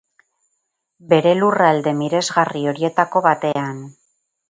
Bere lurralde miresgarri horietako batean.